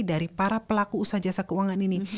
dari para pelaku usaha jasa keuangan ini